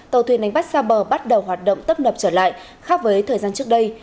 tàu thuyền đánh bắt xa bờ bắt đầu hoạt động tấp nập trở lại khác với thời gian trước đây